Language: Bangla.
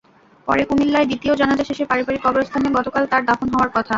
পরে কুমিল্লায় দ্বিতীয় জানাজা শেষে পারিবারিক কবরস্থানে গতকাল তাঁর দাফন হওয়ার কথা।